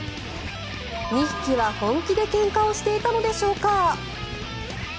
２匹は本気でけんかをしていたのでしょうか。